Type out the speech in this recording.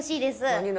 何？